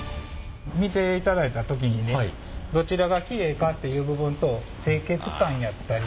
見ていただいた時にねどちらがきれいかっていう部分と清潔感やったり。